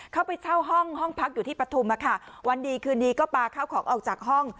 เข้าไปเช่าห้องพักอยู่ที่ประธุมวันดีคืนนี้ก็ปลาเข้าของออกจากห้อง